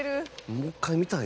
もう一回見たいな。